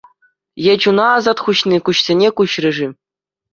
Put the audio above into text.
Е чуна асат хуҫни куҫсене куҫрӗ-ши?